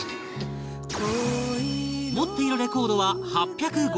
持っているレコードは８５０枚超え